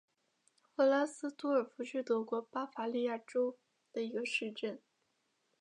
弗拉斯多尔夫是德国巴伐利亚州的一个市镇。